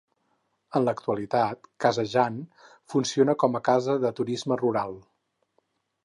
En l'actualitat, Casa Jan, funciona com a casa de turisme rural.